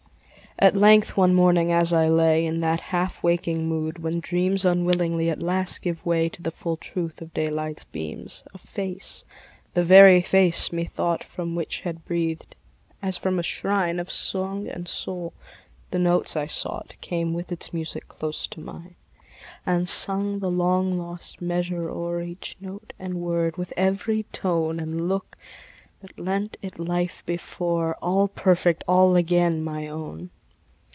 At length, one morning, as I lay In that half waking mood when dreams Unwillingly at last gave way To the full truth of daylight's beams, A face the very face, methought, From which had breathed, as from a shrine Of song and soul, the notes I sought Came with its music close to mine; And sung the long lost measure o'er, Each note and word, with every tone And look, that lent it life before, All perfect, all again my own!